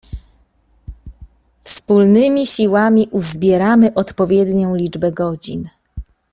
Wspólnymi siłami uzbieramy odpowiednią liczbę godzin.